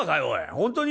本当に？